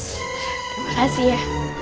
terima kasih ya